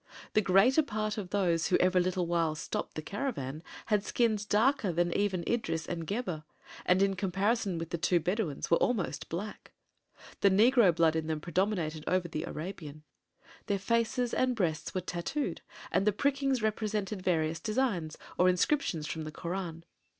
The greater part of those who every little while stopped the caravan had skins darker than even Idris and Gebhr, and in comparison with the two Bedouins were almost black. The negro blood in them predominated over the Arabian. Their faces and breasts were tattooed and the prickings represented various designs, or inscriptions from the Koran.